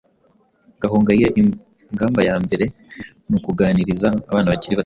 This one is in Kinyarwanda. Gahongayire: Ingamba ya mbere ni ukuganiriza abana bakiri batoya,